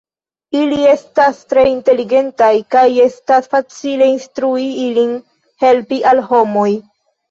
Ili estas tre inteligentaj, kaj estas facile instrui ilin helpi al homoj.